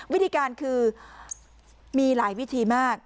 วิธีการคือมีหลายวิธีมาก